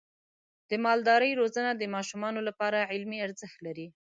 د مالدارۍ روزنه د ماشومانو لپاره علمي ارزښت لري.